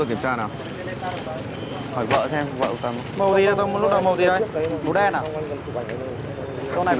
anh kiểm tra ở chỗ biên bản đấy